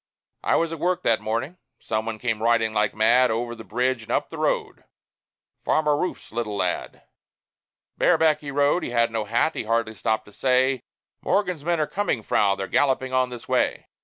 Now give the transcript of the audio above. I was at work that morning. Some one came riding like mad Over the bridge and up the road Farmer Rouf's little lad. Bareback he rode; he had no hat; he hardly stopped to say, "Morgan's men are coming, Frau; they're galloping on this way.